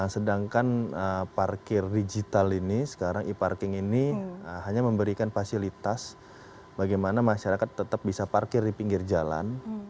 sedangkan parkir digital ini sekarang e parking ini hanya memberikan fasilitas bagaimana masyarakat tetap bisa parkir di pinggir jalan